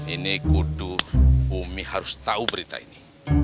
ini guduh ummi harus tau berita ini